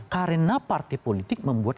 karena partai politik membuat